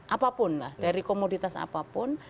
apapun lah dari komoditas apapun